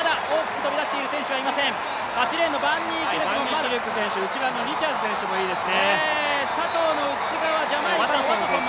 バンニーキルク選手、内側のリチャーズ選手もいいですね。